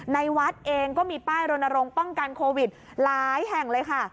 ในวัดเองก็มีป้ายรณรงค์ป้องกันโควิดหลายแห่งเลยค่ะ